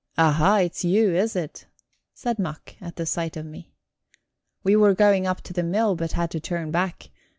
"Aha, it's you, is it?" said Mack at sight of me. "We were going up to the mill, but had to turn back.